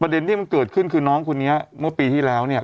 ที่มันเกิดขึ้นคือน้องคนนี้เมื่อปีที่แล้วเนี่ย